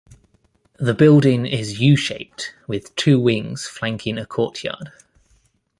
The building is U-shaped with two wings flanking a courtyard.